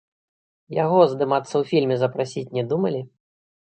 Яго здымацца ў фільме запрасіць не думалі?